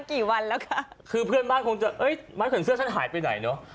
กี่วันแล้วค่ะคือเพื่อนบ้านคงจะเอ้ยไม้เขินเสื้อฉันหายไปไหนเนอะ